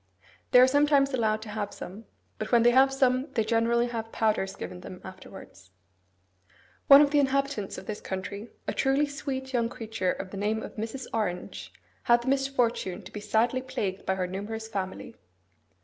They are sometimes allowed to have some; but when they have some, they generally have powders given them afterwards. One of the inhabitants of this country, a truly sweet young creature of the name of Mrs. Orange, had the misfortune to be sadly plagued by her numerous family.